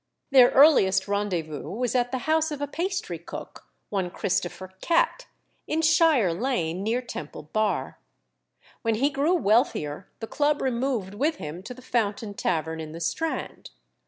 Their earliest rendezvous was at the house of a pastry cook, one Christopher Cat, in Shire Lane, near Temple Bar. When he grew wealthier, the club removed with him to the Fountain Tavern in the Strand.